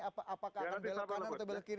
apakah akan belok kanan atau belok kiri